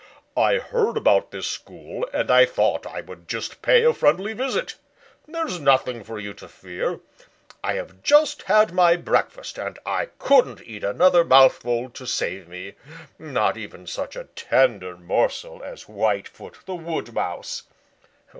"I heard about this school and I thought I would just pay a friendly visit. There is nothing for you to fear. I have just had my breakfast and I couldn't eat another mouthful to save me, not even such a tender morsel as Whitefoot the Wood Mouse."